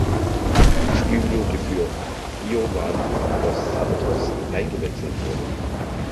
Spielminute für Giovani dos Santos eingewechselt wurde.